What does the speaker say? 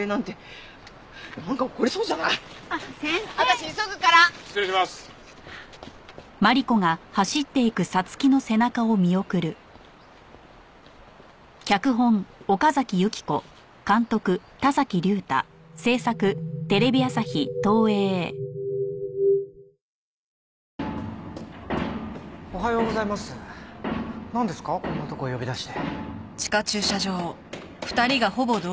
こんな所へ呼び出して。